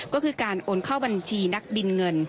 ก็คือการโอนเข้าบัญชีนักบินเงิน